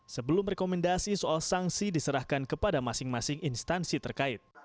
sebelum rekomendasi soal sanksi diserahkan kepada masing masing instansi terkait